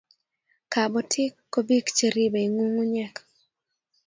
Kobotik ko biik che ribei ng'ung'unyek